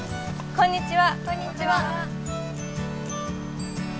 こんにちは。